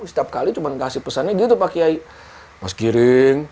setiap kali cuma kasih pesannya gitu pak kiai